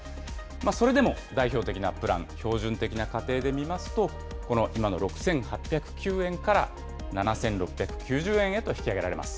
それでも、代表的なプラン、標準的な家庭で見ますと、この今の６８０９円から７６９０円へと引き上げられます。